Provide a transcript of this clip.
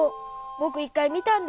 ぼくいっかいみたんだよ。